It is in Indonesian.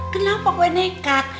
kenapa gue nekat